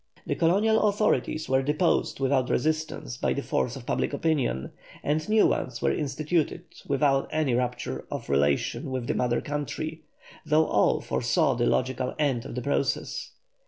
The colonial authorities were deposed without resistance by the force of public opinion, and new ones were instituted without any rupture of relations with the mother country, though all foresaw the logical end of the process.